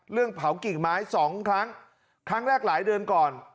เรื่องเผากิ่งไม้สองครั้งครั้งแรกหลายเดือนก่อน